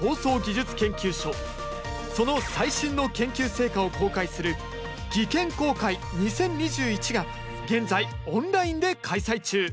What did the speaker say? その最新の研究成果を公開する「技研公開２０２１」が現在オンラインで開催中！